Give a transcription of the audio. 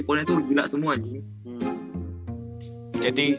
tiga poin nya tuh gila semua anjing